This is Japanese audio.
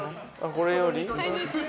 これより。